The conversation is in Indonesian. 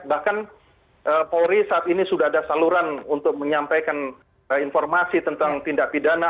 bahkan polri saat ini sudah ada saluran untuk menyampaikan informasi tentang tindak pidana